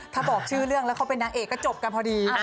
ถ้าบอกชื่อเรื่องแล้วเขาเป็นนางเอกก็จบกันพอดี